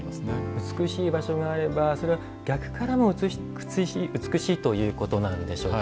美しい場所があれば逆からも美しいということなんでしょうか。